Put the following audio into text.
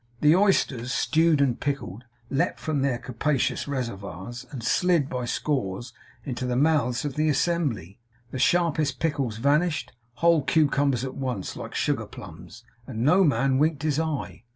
The oysters, stewed and pickled, leaped from their capacious reservoirs, and slid by scores into the mouths of the assembly. The sharpest pickles vanished, whole cucumbers at once, like sugar plums, and no man winked his eye.